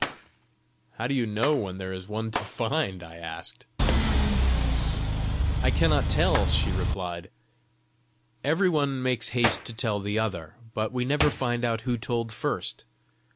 "How do you know when there is one to find?" I asked. "I cannot tell," she replied. "Every one makes haste to tell the other, but we never find out who told first.